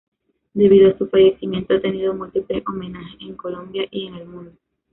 Debido a su fallecimiento ha tenido múltiples homenajes en Colombia y en el mundo.